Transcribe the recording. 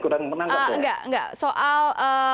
kurang menangkap ya enggak enggak soal